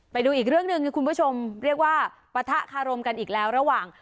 ไปดูอีกเรื่องหนึ่งคุณผู้ชมเรียกว่าปะทะคารมกันอีกแล้วระหว่าง